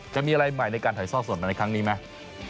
จะมีอะไรใหม่ในการถ่ายทอดสดมาในครั้งนี้ไหม